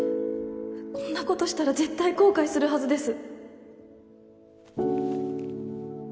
こんなことしたら絶対後悔するはずです